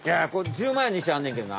１０万円の石あんねんけどな。